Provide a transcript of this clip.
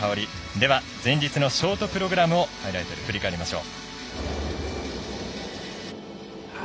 では、前日のショートプログラムをハイライトで振り返りましょう。